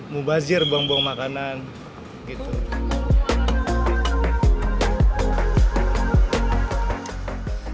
mubazir buang buang makanan